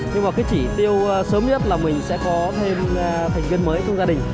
nhưng mà cái chỉ tiêu sớm nhất là mình sẽ có thêm thành viên mới trong gia đình